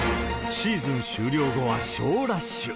シーズン終了後は賞ラッシュ。